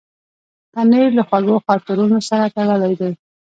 پنېر له خوږو خاطرونو سره تړلی دی.